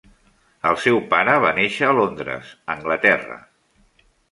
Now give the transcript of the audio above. El seu pare va néixer a Londres, Anglaterra.